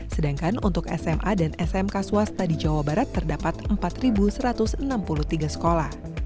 sedangkan untuk sma dan smk swasta di jawa barat terdapat empat satu ratus enam puluh tiga sekolah